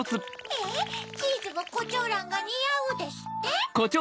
えっ「チーズもコチョウランがにあう」ですって？